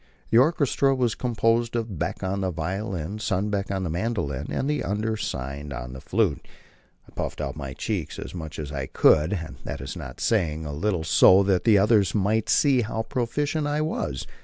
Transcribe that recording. The orchestra was composed of Beck on the violin, Sundbeck on the mandolin, and the undersigned on the flute. I puffed out my cheeks as much as I could, and that is not saying a little, so that the others might see how proficient I was.